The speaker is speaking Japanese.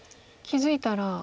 気付いたら。